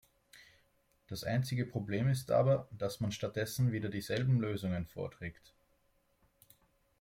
Das einzige Problem ist aber, dass man stattdessen wieder dieselben Lösungen vorträgt.